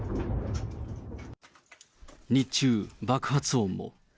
日中、爆発音も。